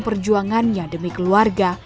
perjuangannya demi keluarga